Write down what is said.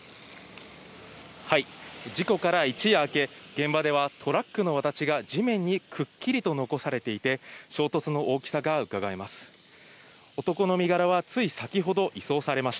事故から一夜明け現場ではトラックのわだちが地面にくっきりと残されていて、衝突の大きさが伺えます。